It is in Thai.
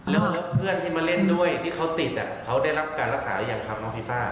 แล้วเพื่อนที่มาเล่นด้วยที่เขาติดเขาได้รับการรักษาหรือยังครับน้องฟีฟ้า